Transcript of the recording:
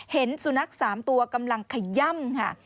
เห็นสุนัข๓ตัวกำลังขย่ำค่ะ